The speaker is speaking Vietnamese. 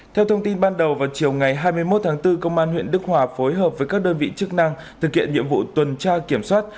theo thông tin ban đầu vào chiều ngày hai mươi một tháng bốn công an huyện đức hòa phối hợp với các đơn vị chức năng thực hiện nhiệm vụ tuần tra kiểm soát